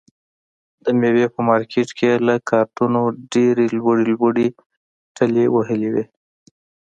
د مېوې په مارکېټ کې یې له کارتنو ډېرې لوړې لوړې ټلې وهلې وي.